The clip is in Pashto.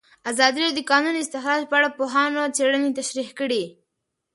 ازادي راډیو د د کانونو استخراج په اړه د پوهانو څېړنې تشریح کړې.